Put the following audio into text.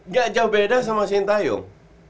gak jauh beda sama sintayong